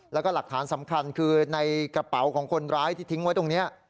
แล้วก็หลักฐานสำคัญคือในกระเป๋าของคนร้ายที่ทิ้งไว้ตรงนี้